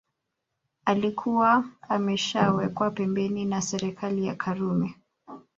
alikuwa ameshawekwa pembeni na serikali ya karume